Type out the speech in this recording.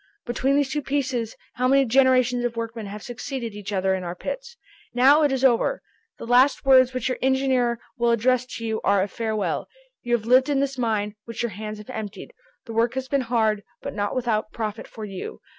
Between these two pieces, how many generations of workmen have succeeded each other in our pits! Now, it is over! The last words which your engineer will address to you are a farewell. You have lived in this mine, which your hands have emptied. The work has been hard, but not without profit for you.